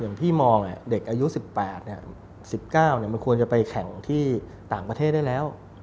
พี่มองเด็กอายุ๑๘๑๙มันควรจะไปแข่งที่ต่างประเทศได้แล้ว